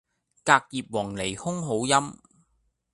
隔葉黃鸝空好音